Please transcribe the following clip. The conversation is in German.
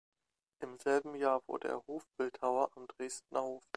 Im selben Jahr wurde er Hofbildhauer am Dresdner Hof.